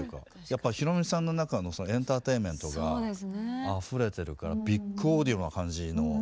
やっぱひろみさんの中のそのエンターテインメントがあふれてるからビッグオーディオな感じの。